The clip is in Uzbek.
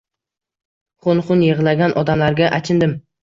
Xun-xun yig‘-lagan odamlarga achindim-